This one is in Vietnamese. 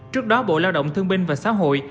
trước đó bộ lao động thương binh và xã hội